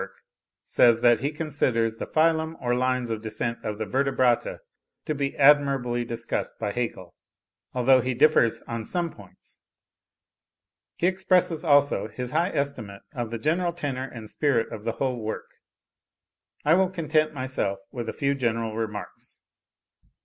42) says, that he considers the phylum or lines of descent of the Vertebrata to be admirably discussed by Haeckel, although he differs on some points. He expresses, also, his high estimate of the general tenor and spirit of the whole work.) I will content myself with a few general remarks.